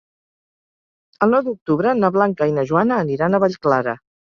El nou d'octubre na Blanca i na Joana aniran a Vallclara.